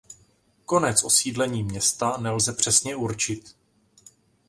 Konec osídlení města nelze přesně určit.